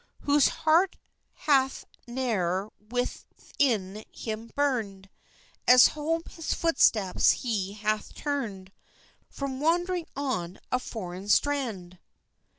Whose heart hath ne'er within him burned, As home his footsteps he hath turned From wandering on a foreign strand?